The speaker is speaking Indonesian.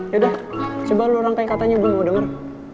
yaudah coba lo rangkai katanya gue mau denger